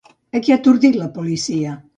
A qui ha atordit la policia?